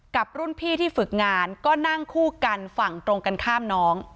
กับรุ่นพี่ที่ฝึกงานก็นั่งคู่กันฝั่งตรงกันข้ามน้อง